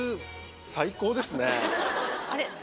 あれ？